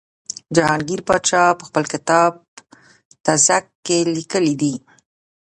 جهانګیر پادشاه په خپل کتاب تزک کې لیکلي دي.